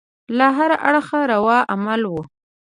له هره اړخه روا عمل وو.